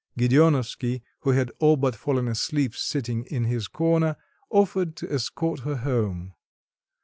Gedeonovsky, who had all but fallen asleep sitting in his corner, offered to escort her home.